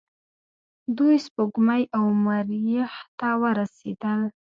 دوی سپوږمۍ او مریخ ته ورسیدل.